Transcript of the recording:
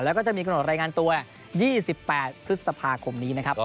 แล้วก็จะมีกำหนดรายงานตัว๒๘พฤษภาคมนี้นะครับ